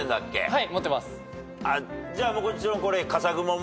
はい。